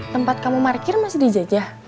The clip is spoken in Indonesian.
tempat kamu parkir masih dijajah